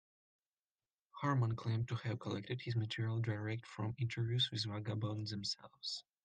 Harman claimed to have collected his material direct from interviews with vagabonds themselves.